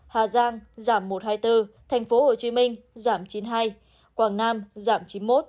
hà giang giảm một trăm hai mươi bốn tp hcm giảm chín mươi hai quảng nam giảm chín mươi một tám